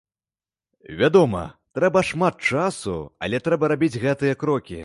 Вядома, трэба шмат часу, але трэба рабіць гэтыя крокі.